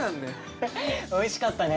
おいしかったね。